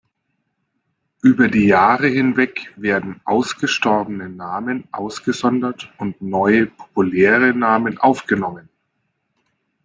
Über die Jahre hinweg werden „ausgestorbene“ Namen ausgesondert und neue, „populäre“ Namen aufgenommen.